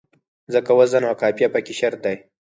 ځکه وزن او قافیه پکې شرط دی.